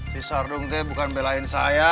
si sardung teh bukan belain saya